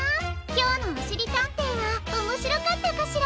きょうの「おしりたんてい」はおもしろかったかしら？